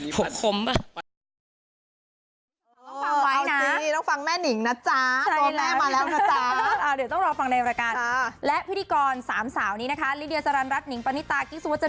ผมคมมาก